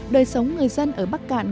đời sống người dân ở bắc cạn